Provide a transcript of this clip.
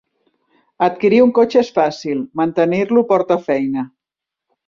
Adquirir un cotxe és fàcil, mantenir-lo porta feina.